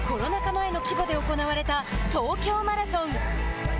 前の規模で行われた東京マラソン。